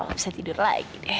gak bisa tidur lagi deh